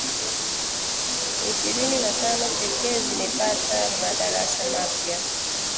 ishirini na tano pekee zimepata madarasa mapya